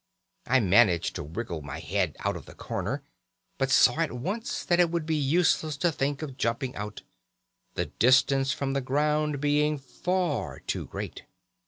I managed to wriggle my head out of the corner, but saw at once that it would be useless to think of jumping out, the distance from the ground being far too great.